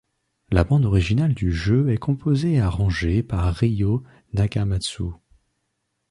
La bande originale du jeu est composée et arrangée par Ryo Nagamatsu.